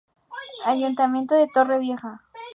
Ayuntamiento de Torrevieja.